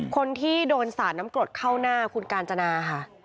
คนที่โดนสาดน้ำกรดเข้าหน้าคุณกาญจนาค่ะ